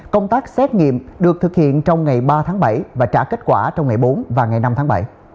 công tác xét nghiệm được thực hiện trong ngày ba tháng bảy và trả kết quả trong ngày bốn và ngày năm tháng bảy